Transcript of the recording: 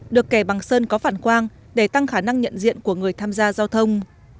được kẻ bằng sơn có phản quang để tăng khả năng nhận diện của người tham gia giao thông